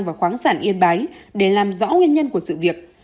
và khoáng sản yên bái để làm rõ nguyên nhân của sự việc